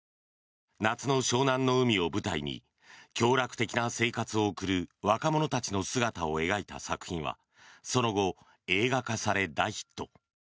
夏の湘南の海を舞台に享楽的な生活を送る若者たちの姿を描いた作品はその後映画化され、大ヒット。